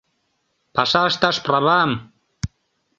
Паша ышташ правам?